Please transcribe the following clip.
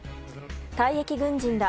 退役軍人ら